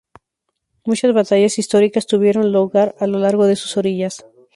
Muchas batallas históricas tuvieron lugar a lo largo de sus orillas.